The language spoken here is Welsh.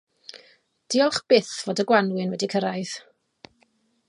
Diolch byth fod y gwanwyn wedi cyrraedd.